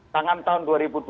tangan tahun dua ribu dua puluh